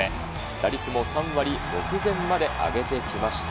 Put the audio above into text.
打率も３割目前まで上げてきました。